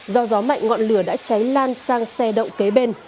do gió mạnh ngọn lửa đã cháy lan sang xe động kế bên